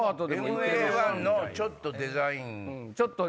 ＭＡ−１のちょっとデザイン。